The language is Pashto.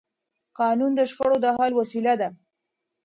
قانون د شخړو د حل وسیله ده